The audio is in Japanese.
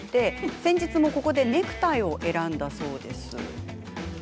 先日もネクタイを選んだそうです。